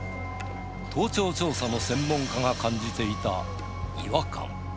盗聴調査の専門家が感じていた違和感。